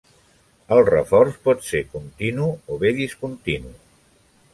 El reforç pot ser continu o bé discontinu.